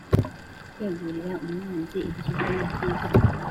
kwegurira umwanzi ikigo nibyiza